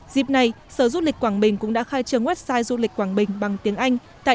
dịp này sở du lịch quảng bình cũng đã khai trường website du lịch quảng bình bằng tiếng anh tại